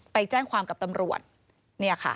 ไปแจ้งความกับตำรวจ